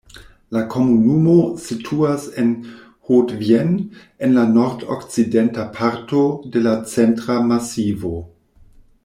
La komunumo situas en Haute-Vienne, en la nordokcidenta parto de la Centra Masivo.